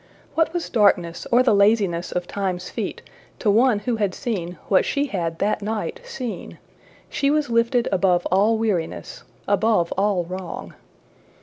What was darkness or the laziness of Time's feet to one who had seen what she had that night seen? She was lifted above all weariness above all wrong.